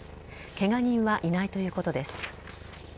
ケガ人はいないということです。